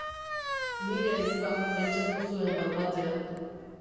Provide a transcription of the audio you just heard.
Nire ahizpa, pentsatu zuen bat-batean.